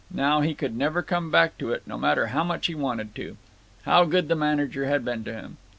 Now he could never come back to it, no matter how much he wanted to…. How good the manager had been to him.